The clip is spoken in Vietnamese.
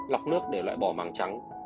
lọc nước để loại bỏ màng trắng